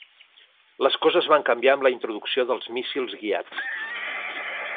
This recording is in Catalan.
Les coses van canviar amb la introducció dels míssils guiats.